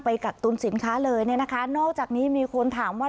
กักตุนสินค้าเลยเนี่ยนะคะนอกจากนี้มีคนถามว่า